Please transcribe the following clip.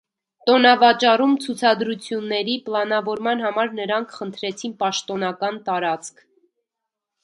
Տոնավաճառում ցուցադրությունների, պլանավորման համար նրանք խնդրեցին պաշտոնական տարածք։